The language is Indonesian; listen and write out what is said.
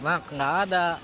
nah enggak ada